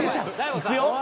いくよ。